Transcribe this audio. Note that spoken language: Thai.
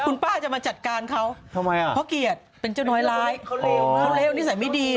คุณป้าจะมาจัดการเขาเพราะเกียรติเป็นเจ้าน้อยร้ายเพราะเลวนิสัยไม่ดี